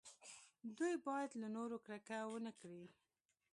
دوی باید له نورو کرکه ونه کړي.